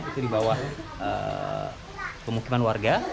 itu di bawah pemukiman warga